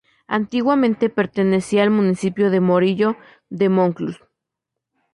Antiguamente pertenecía al municipio de Morillo de Monclús.